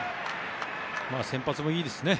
先発もいいですね。